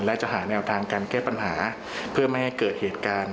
และจะหาแนวทางการแก้ปัญหาเพื่อไม่ให้เกิดเหตุการณ์